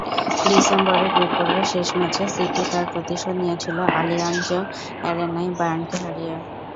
ডিসেম্বরে গ্রুপপর্বের শেষ ম্যাচে সিটি তার প্রতিশোধ নিয়েছিল আলিয়াঞ্জ অ্যারেনায় বায়ার্নকে হারিয়ে।